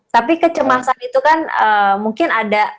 tapi kecemasan itu kan mungkin ada